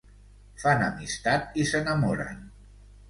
Fan amistat i s'enamoren.